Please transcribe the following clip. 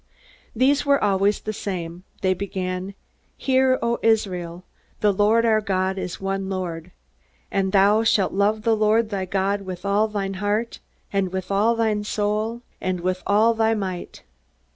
These were always the same. They began: "Hear, O Israel: The Lord our God is one Lord: And thou shalt love the Lord thy God with all thine heart, and with all thy soul, and with all thy might."